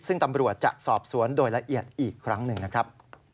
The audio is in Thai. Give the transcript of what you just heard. ซึ่งตำรวจจะสอบสวนโดยละเอียดอีกครั้งหนึ่งนะครับ